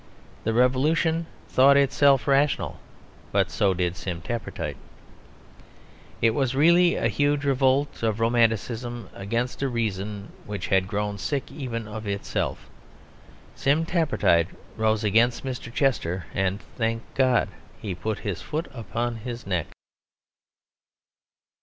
The revolution thought itself rational; but so did Sim Tappertit. It was really a huge revolt of romanticism against a reason which had grown sick even of itself. Sim Tappertit rose against Mr. Chester; and, thank God! he put his foot upon his neck.